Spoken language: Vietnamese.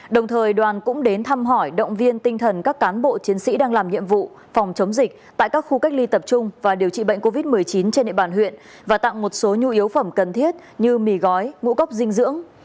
đồng thời đoàn cũng đến thăm hỏi động viên tinh thần các cán bộ chiến sĩ đang làm nhiệm vụ phòng chống dịch tại các khu cách ly tập trung và điều trị bệnh covid một mươi chín trên địa bàn huyện và tặng một số nhu yếu phẩm cần thiết như mì gói ngũ cốc dinh dưỡng